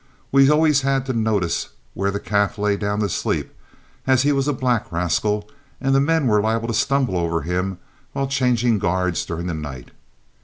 We always had to notice where the calf lay down to sleep, as he was a black rascal, and the men were liable to stumble over him while changing guards during the night.